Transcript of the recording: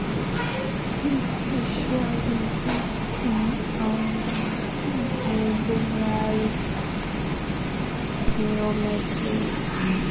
He specializes in algebraic geometry.